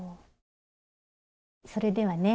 それではね